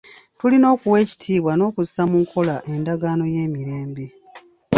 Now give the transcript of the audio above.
Tulina okuwa ekitiibwa n'okussa mu nkola endagaano y'emirembe.